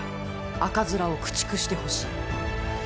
赤面を駆逐してほしい！